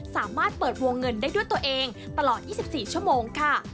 สามารถเปิดวงเงินได้ด้วยตัวเองตลอด๒๔ชั่วโมงค่ะ